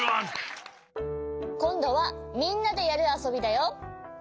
こんどはみんなでやるあそびだよ！